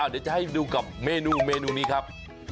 เดี๋ยวจะให้ดูกับเมนูเมนูนี้ครับ